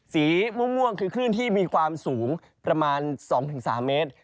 สีม่วงคือคลื่นที่มีความสูงประมาณ๒๓เมตร